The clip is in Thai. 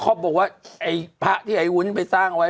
เค้าบอกว่าไอ้พระที่ไอ้วุลุ์นไปสร้างอ่ะไว้